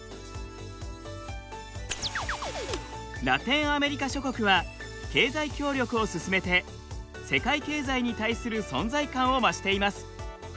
ラテンアメリカ諸国は経済協力を進めて世界経済に対する存在感を増しています。